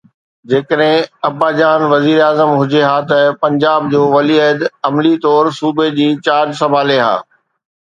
جيڪڏهن ابا جان وزير اعظم هجي ها ته پنجاب جو ولي عهد عملي طور صوبي جي چارج سنڀالي ها.